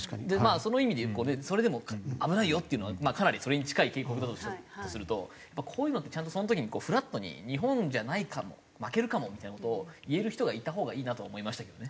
その意味でそれでも「危ないよ」っていうのはかなりそれに近い警告だとするとこういうのってちゃんとその時にフラットに「日本じゃないかも負けるかも」みたいな事を言える人がいた方がいいなとは思いましたけどね。